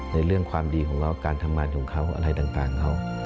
ในเรื่องความดีของเขาการทำงานของเขาอะไรต่างเขา